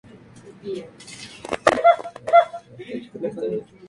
Este escritor se centra principalmente en libros sobre mitología asturiana.